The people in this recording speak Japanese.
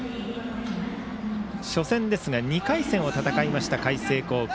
初戦ですが２回戦を戦いました海星高校。